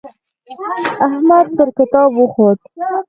احمد پر کتاب وخوت.